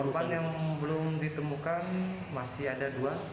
korban yang belum ditemukan masih ada dua